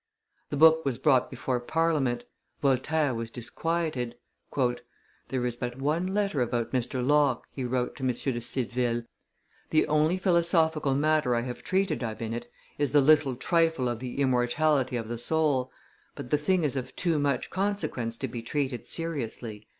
The book was brought before Parliament; Voltaire was disquieted. "There is but one letter about Mr. Locke," he wrote to M. de Cideville; "the only philosophical matter I have treated of in it is the little trifle of the immortality of the soul, but the thing is of too much consequence to be treated seriously.